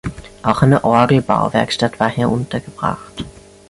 Auch eine Orgel-Bauwerkstatt war hier untergebracht.